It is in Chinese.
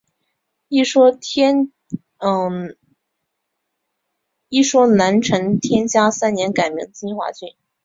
一说南陈天嘉三年改名金华郡。